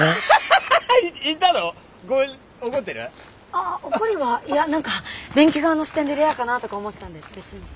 ああ怒りはいや何か便器側の視点でレアかなとか思ってたんで別に。